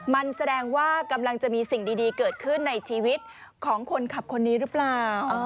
มันแสดงว่ากำลังจะมีสิ่งดีเกิดขึ้นในชีวิตของคนขับคนนี้หรือเปล่า